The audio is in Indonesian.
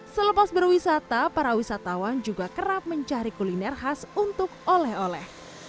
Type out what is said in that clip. selepas berwisata para wisatawan juga kerap mencari kuliner khas untuk oleh oleh